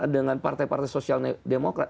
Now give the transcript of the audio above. deng partai partai sosial demokrat